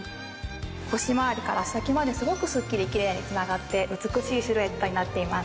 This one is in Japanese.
腰回りから先まですごくすっきりきれいに繋がって美しいシルエットになっています。